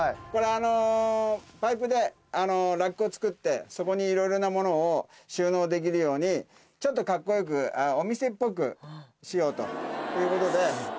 これあのパイプでラックを作ってそこにいろいろなものを収納できるようにちょっとカッコよくお店っぽくしようということで。